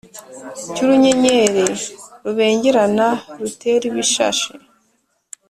cy’urunyenyeri rubengerana, rutera ibishashi